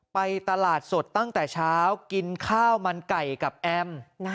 ไปตลาดสดตั้งแต่เช้ากินข้าวมันไก่กับแอม